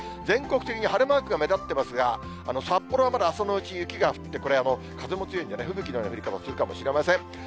全国的に晴れマークが目立ってますが、札幌はまだ朝のうち雪が降って、これ、風も強いので、吹雪のような降り方するかもしれません。